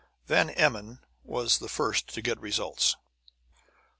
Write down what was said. ] Van Emmon was the first to get results.